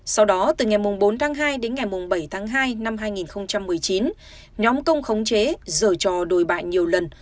sau đó từ ngày bốn hai đến ngày bảy hai hai nghìn một mươi chín nhóm công khống chế dở trò đổi bại nhiều lần